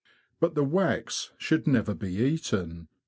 But the wax should never be eaten.